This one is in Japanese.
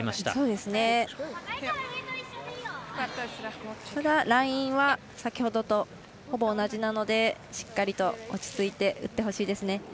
ただ、ラインは先ほどとほぼ同じなのでしっかりと落ち着いて打ってほしいですね。